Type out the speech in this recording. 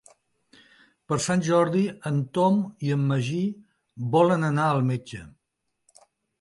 Per Sant Jordi en Tom i en Magí volen anar al metge.